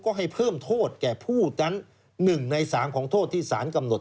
ก็ให้เพิ่มโทษแก่ผู้นั้น๑ใน๓ของโทษที่สารกำหนด